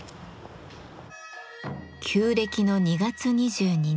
旧暦の２月２２日。